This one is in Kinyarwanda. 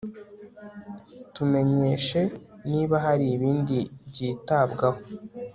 Tumenyeshe niba hari ibindi byitabwaho